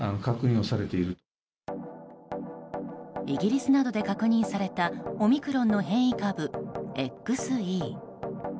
イギリスなどで確認されたオミクロンの変異株ＸＥ。